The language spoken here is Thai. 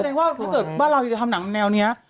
ถ้าเธอบ้านเราจะทำหนังแนวนี้